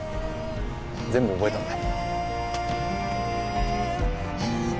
全部覚えたので。